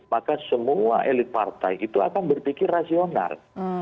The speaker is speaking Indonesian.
maka semua elit partai itu akan berpikir rasional